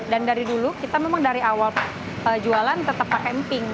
dan dari dulu kita memang dari awal jualan tetap pakai emping